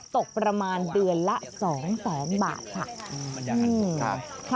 ตกประมาณเดือนละ๒๐๐๐๐๐บาทค่ะ